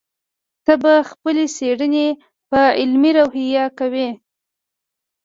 ته به خپلې څېړنې په علمي روحیه کوې.